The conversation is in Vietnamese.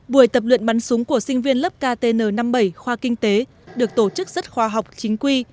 buổi tập luyện bắn súng của sinh viên lớp ktn năm mươi bảy khoa kinh tế được tổ chức rất khoa học chính quy